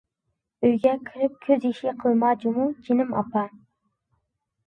ئۆيگە كىرىپ كۆز يېشى قىلما جۇمۇ جېنىم ئاپا!